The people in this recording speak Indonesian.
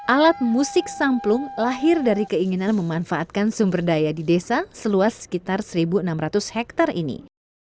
alat musik samplung lahir dari keinginan memanfaatkan sumber daya di desa seluas sekitar satu enam ratus hektare ini